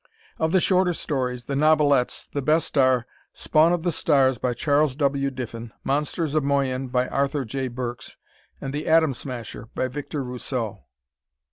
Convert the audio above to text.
Of the shorter stories, the novelettes, the best are: "Spawn of the Stars," by Charles W. Diffin, "Monsters of Moyen," by Arthur J. Burks, and "The Atom Smasher," by Victor Rousseau.